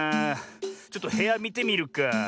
ちょっとへやみてみるか。